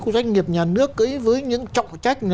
doanh nghiệp nhà nước với những trọng trách